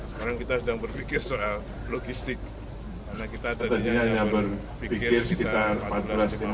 sekarang kita sedang berpikir soal logistik karena kita tadinya hanya berpikir sekitar empat belas km